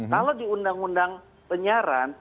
kalau di undang undang penyiaran